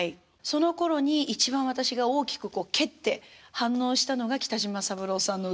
そのころに一番私が大きくこう蹴って反応したのが北島三郎さんの歌だったそうなんです。